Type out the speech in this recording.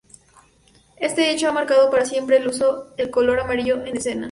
Este hecho ha marcado para siempre el uso del color amarillo en escena.